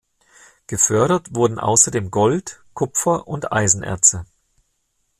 Gefördert wurden außerdem Gold, Kupfer und Eisenerze.